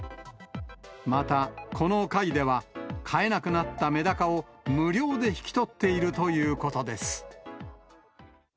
また、この会では、飼えなくなったメダカを無料で引き取っているということです。